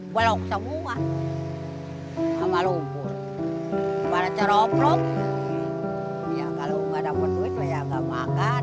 blog semua sama lumpur pada coroapul ya kalau nggak dapet duit ya nggak makan